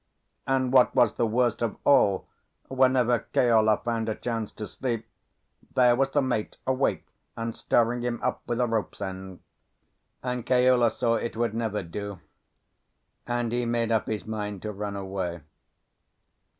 And what was the worst of all, whenever Keola found a chance to sleep, there was the mate awake and stirring him up with a rope's end. Keola saw it would never do; and he made up his mind to run away.